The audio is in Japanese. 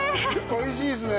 おいしいですね